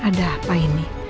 ada apa ini